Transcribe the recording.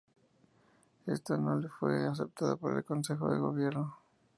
Esta no le fue aceptada por el Consejo de Gobierno.